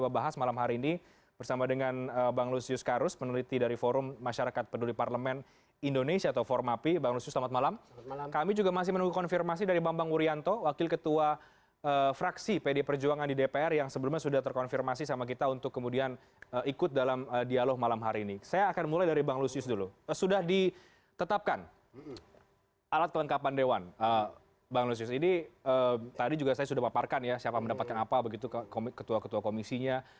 bang lusius ini tadi juga saya sudah paparkan ya siapa mendapatkan apa begitu ketua ketua komisinya